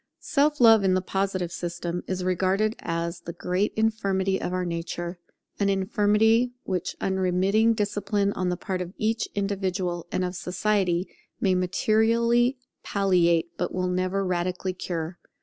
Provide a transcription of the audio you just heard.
Self love in the Positive system is regarded as the great infirmity of our nature: an infirmity which unremitting discipline on the part of each individual and of society may materially palliate, but will never radically cure.